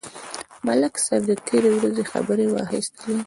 ملک صاحب د تېرې ورځې خبرې واخیستلې.